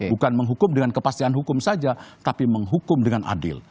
bukan menghukum dengan kepastian hukum saja tapi menghukum dengan adil